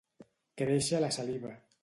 Créixer la saliva.